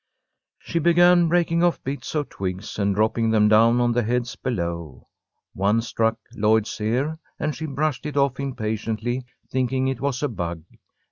She began breaking off bits of twigs and dropping them down on the heads below. One struck Lloyd's ear, and she brushed it off impatiently, thinking it was a bug.